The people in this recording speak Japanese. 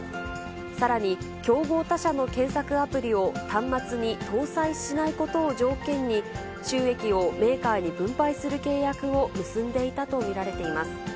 さらに競合他社の検索アプリを端末に搭載しないことを条件に、収益をメーカーに分配する契約を結んでいたと見られています。